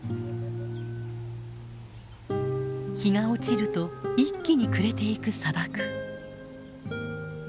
日が落ちると一気に暮れていく砂漠。